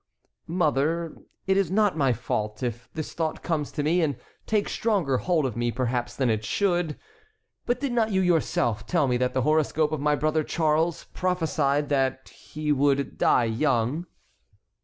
"Mother, it is not my fault if this thought comes to me, and takes stronger hold of me, perhaps, than it should; but did not you yourself tell me that the horoscope of my brother Charles prophesied that he would die young?"